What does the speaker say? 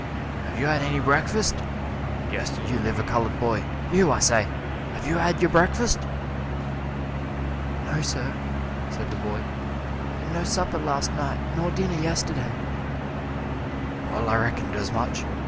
"Have you had any breakfast? Yes, you liver colored boy you, I say, have you had your breakfast?" "No, sir," said the boy; "and no supper last night nor dinner yesterday!" "Well, I reckoned as much.